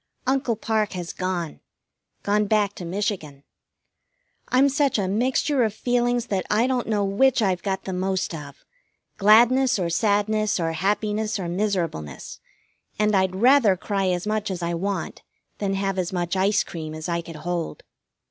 Uncle Parke has gone. Gone back to Michigan. I'm such a mixture of feelings that I don't know which I've got the most of, gladness or sadness or happiness or miserableness, and I'd rather cry as much as I want than have as much ice cream as I could hold.